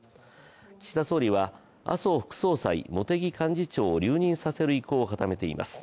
岸田総理は麻生副総裁茂木幹事長を留任させる意向を固めています。